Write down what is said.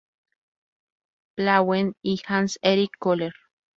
Plauen", y Hans Erich Köhler.